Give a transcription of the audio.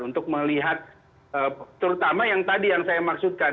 untuk melihat terutama yang tadi yang saya maksudkan